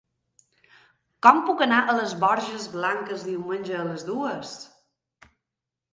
Com puc anar a les Borges Blanques diumenge a les dues?